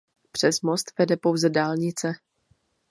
Přes most vede pouze dálnice.